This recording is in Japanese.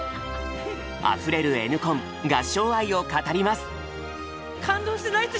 あふれるＮコン合唱愛を語ります！